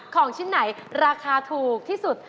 ของชิ้นไหนราคาถูกที่สุด